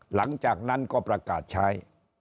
หลังจากนั้นก็ประกาศใช้